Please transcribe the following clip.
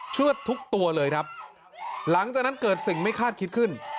เชือดทุกตัวเลยครับหลังจากนั้นเกิดสิ่งไม่คาดคิดขึ้น